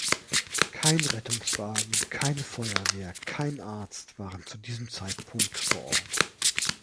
Kein Rettungswagen, keine Feuerwehr, kein Arzt waren zu diesem Zeitpunkt vor Ort.